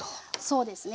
そうですね。